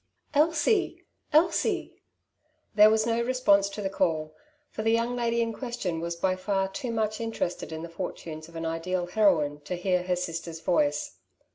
"^'' Elsie ! Elsie !'' There was no response to the call, for the young lady in question was by far too much interested in the fortunes of an ideal heroine to hear her sister's voice.